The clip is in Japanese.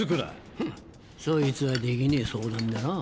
フッそいつはできねえ相談だなぁ。